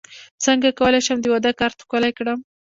څنګه کولی شم د واده کارت ښکلی کړم